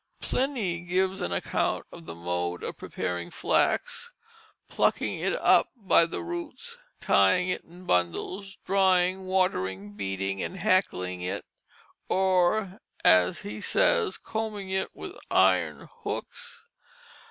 Pliny gives an account of the mode of preparing flax: plucking it up by the roots, tying it in bundles, drying, watering, beating, and hackling it, or, as he says, "combing it with iron hooks."